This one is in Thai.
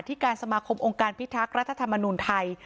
ที่การสมาคมองค์การพิทักษ์รัฐธรรมนุนไทย